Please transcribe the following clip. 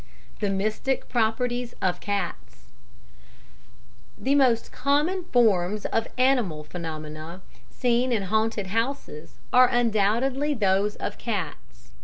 The Mystic Properties of Cats The most common forms of animal phenomena seen in haunted houses are undoubtedly those of cats.